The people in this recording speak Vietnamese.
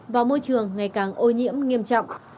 và môi trường ngày càng ô nhiễm nghiêm trọng